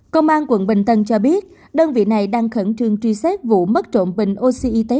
công an quận bình tân cho biết đơn vị này đang khẩn trương truy xét vụ mất trộm bình oxy